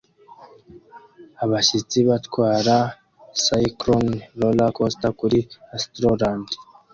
Abashyitsi batwara Cyclone roller coaster kuri Astroland